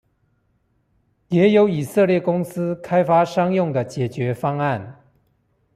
也有以色列公司開發商用的解決方案